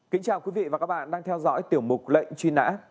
kính chào quý vị và các bạn đang theo dõi tiểu mục lệnh truy nã